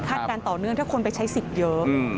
การต่อเนื่องถ้าคนไปใช้สิทธิ์เยอะ